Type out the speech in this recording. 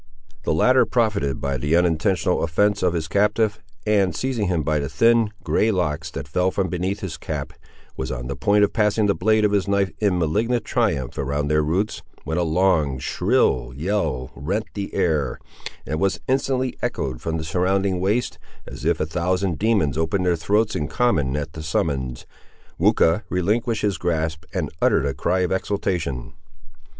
The latter profited by the unintentional offence of his captive, and, seizing him by the thin, grey locks, that fell from beneath his cap, was on the point of passing the blade of his knife in malignant triumph around their roots, when a long, shrill yell rent the air, and was instantly echoed from the surrounding waste, as if a thousand demons opened their throats in common at the summons. Weucha relinquished his grasp, and uttered a cry of exultation.